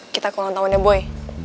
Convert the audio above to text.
kita ke ulang tahunnya boy